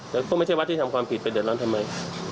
เข้าพูดไม่ใช่วัดที่ทำความผิดไปเดินร้อนทำไม